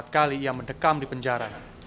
empat kali ia mendekam di penjara